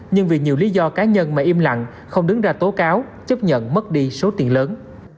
nhưng vì nhiều lý do cá nhân mà im lặng không đứng ra tố cáo chấp nhận mất đi số tiền lớn